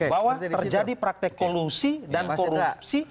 bahwa terjadi praktek kolusi dan korupsi